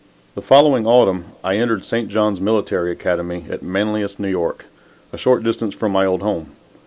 The following autumn I entered St. John's Military Academy at Manlius, N. Y., a short distance from my old home.